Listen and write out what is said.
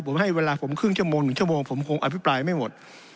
ผมให้เวลาผมครึ่งชั่วโมง๑ชั่วโมงผมคงอภิปรายไม่หมด